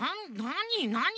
なに？